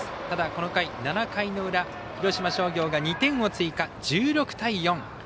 ただ、この回７回の裏、広島商業が２点を追加、１６対４。